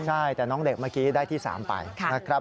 ใช่แต่น้องเด็กเมื่อกี้ได้ที่๓ไปนะครับ